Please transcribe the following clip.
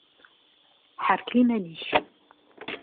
Ḥerkel iman-ik!